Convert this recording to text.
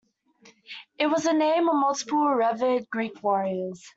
It was the name of multiple revered Greek warriors.